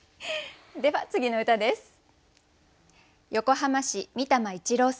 では次の歌です。